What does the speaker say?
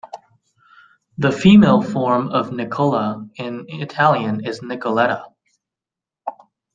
The female form of Nicola in Italian is Nicoletta.